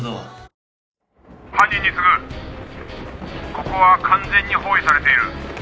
「ここは完全に包囲されている」